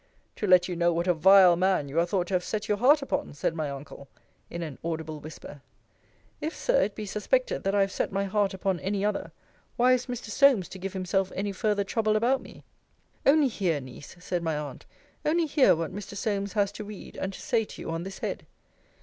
To let you know what a vile man you are thought to have set your heart upon, said my uncle, in an audible whisper. If, Sir, it be suspected, that I have set my heart upon any other, why is Mr. Solmes to give himself any further trouble about me? Only hear, Niece, said my aunt; only hear what Mr. Solmes has to read and to say to you on this head.